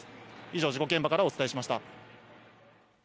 以上、事故現場からお伝えしました。